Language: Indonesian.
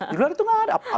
di luar itu nggak ada apa apa